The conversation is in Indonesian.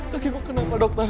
kakiku kenapa dokter